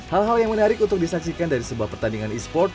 hal hal yang menarik untuk disaksikan dari sebuah pertandingan e sport